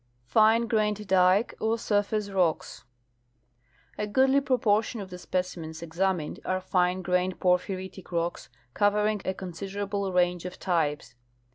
f Fine grained Dike or Surface Rocks. A goodly proportion of the specimens examined are jine grained porphyritic rocks, covering a considerable range of types.